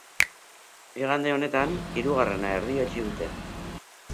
Igande honetan, hirugarrena erdietsi dute.